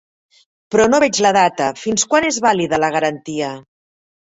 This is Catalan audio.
Però no veig la data, fins quan és vàlida la garantia?